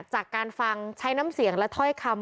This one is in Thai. จากการฟังใช้น้ำเสียงและถ้อยคำ